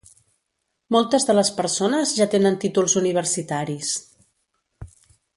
Moltes de les persones ja tenen títols universitaris.